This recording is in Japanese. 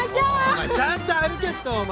おいちゃんと歩けってお前。